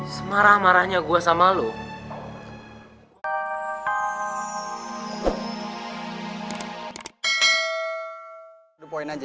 semarah marahnya gua sama lu